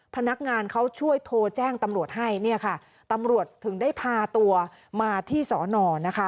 พนักงานเขาช่วยโทรแจ้งตำรวจให้เนี่ยค่ะตำรวจถึงได้พาตัวมาที่สอนอนะคะ